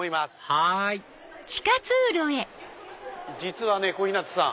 はい実はね小日向さん。